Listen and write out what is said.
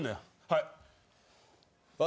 はい。